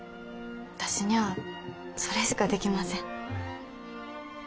私にゃあそれしかできません。